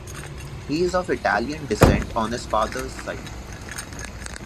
He is of Italian descent on his father's side.